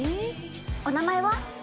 お名前は？